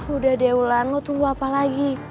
udah deh eulan lo tunggu apa lagi